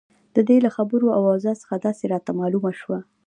د دې له خبرو او اوضاع څخه داسې راته معلومه شوه.